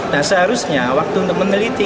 nah seharusnya waktu untuk meneliti